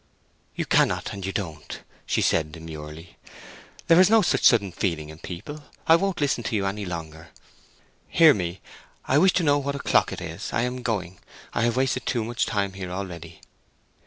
"You cannot and you don't," she said demurely. "There is no such sudden feeling in people. I won't listen to you any longer. Hear me, I wish I knew what o'clock it is—I am going—I have wasted too much time here already!"